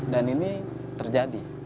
dan ini terjadi